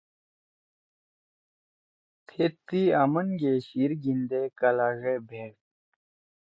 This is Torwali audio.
تھید تی آمنگے شیِر گھیِندے کلاڙے بھیڑ